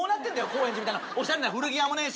高円寺みたいなおしゃれな古着屋もねぇし。